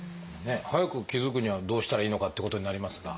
早く気付くにはどうしたらいいのかっていうことになりますが。